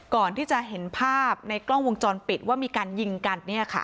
ก่อนที่จะเห็นภาพในกล้องวงจรปิดว่ามีการยิงกัน